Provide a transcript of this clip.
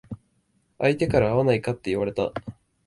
相手から会わないかって言われた。